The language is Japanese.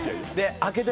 開けて。